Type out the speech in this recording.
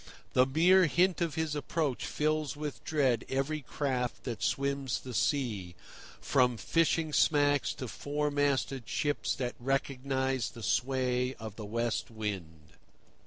The mere hint of his approach fills with dread every craft that swims the sea, from fishing smacks to four masted ships that recognise the sway of the West Wind.